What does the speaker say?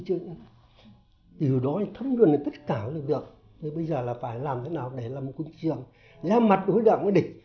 từ đó thấm đường này tất cả là được bây giờ là phải làm thế nào để làm một trường ra mặt đối đoạn với địch